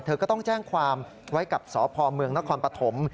เธอก็ต้องแจ้งความไว้กับสพเมืองนครปฐม